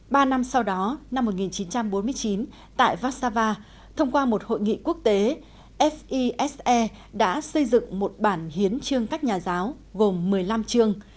ba năm sau đó năm một nghìn chín trăm bốn mươi chín tại vassava thông qua một hội nghị quốc tế fise đã xây dựng một bản hiến chương các nhà giáo gồm một mươi năm chương